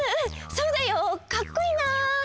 そうだよかっこいいな！